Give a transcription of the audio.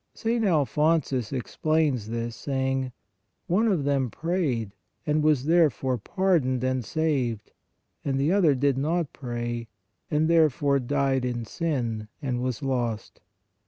St. Alphonsus explains this, saying :" One of them prayed, and was therefore pardoned and saved, and the other did hot pray, and therefore died in sin and was lost."